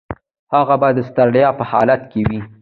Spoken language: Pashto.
هغه به د ستړیا په حالت کې وي.